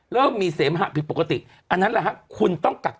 เริ่มอาย